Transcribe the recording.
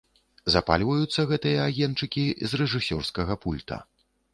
Запальваюцца гэтыя агеньчыкі з рэжысёрскага пульта.